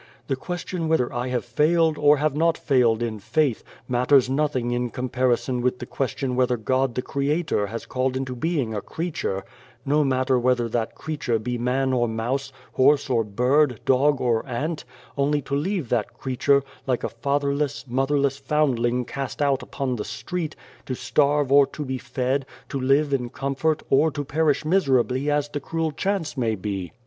" The question whether I have failed, or have not failed in faith, matters nothing in comparison with the question whether God the Creator has called into being a creature no matter whether that creature be man or mouse, horse or bird, dog or ant only to leave that creature, like a fatherless, 105 The Face motherless foundling cast out upon the street, to starve or to be fed, to live in comfort, or to perish miserably as the cruel chance may be.